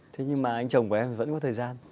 thế nhưng mà anh chồng của em thì vẫn có thời gian